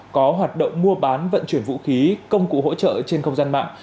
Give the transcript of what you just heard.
có hoạt động mua bán vận chuyển vũ khí công cụ hỗ trợ trên không gian mạng